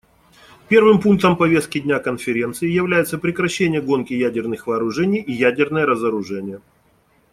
Первым пунктом повестки дня Конференции является прекращение гонки ядерных вооружений и ядерное разоружение.